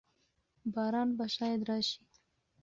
باران به شاید راشي.